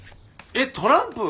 えっトランプ？